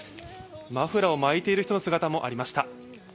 マフラーを巻いている人の姿もありました。